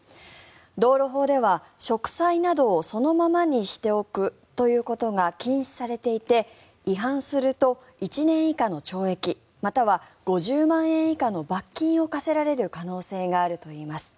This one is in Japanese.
道路法では植栽などをそのままにしておくということが禁止されていて違反すると１年以下の懲役または５０万円以下の罰金を科せられる可能性があるといいます。